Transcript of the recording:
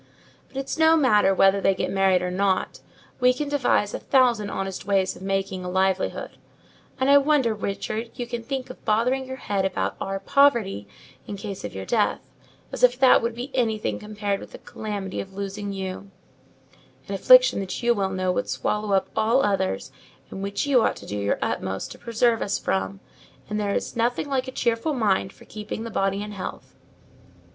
But it's no matter whether they get married or not: we can devise a thousand honest ways of making a livelihood. And I wonder, Richard, you can think of bothering your head about our poverty in case of your death; as if that would be anything compared with the calamity of losing you—an affliction that you well know would swallow up all others, and which you ought to do your utmost to preserve us from: and there is nothing like a cheerful mind for keeping the body in health."